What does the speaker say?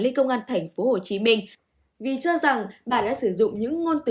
lên công an thành phố hồ chí minh vì cho rằng bà đã sử dụng những ngôn ngữ